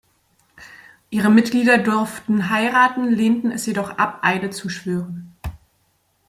Ihre Mitglieder durften heiraten, lehnten es jedoch ab, Eide zu schwören.